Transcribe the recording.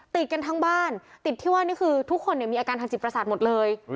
ติดกันทั้งบ้านติดที่ว่านี่คือทุกคนมีอาการทางจิตประสาทหมดเลย